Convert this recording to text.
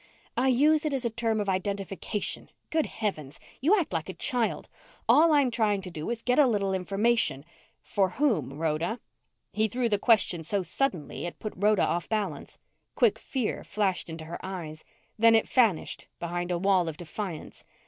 "I use it as a term of identification! Good heavens! You act like a child. All I'm trying to do is get a little information " "For whom, Rhoda?" He threw the question so suddenly it put Rhoda off balance. Quick fear flashed into her eyes. Then it vanished behind a wall of defiance.